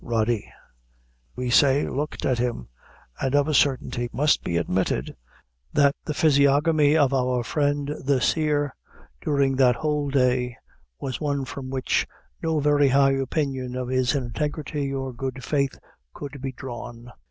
Rody, We say, looked at him; and of a certainty it must be admitted, that the physiognomy of our friend, the Seer, during that whole day, was one from which no very high opinion of his integrity or good faith could be drawn.